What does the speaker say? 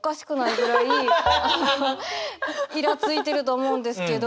いらついてると思うんですけど。